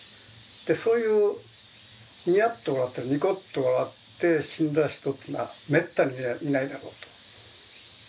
でそういうニヤッと笑ったりニコッと笑って死んだ人っていうのはめったにいないだろうと。